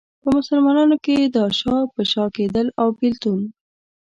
په مسلمانانو کې دا شا په شا کېدل او بېلتون.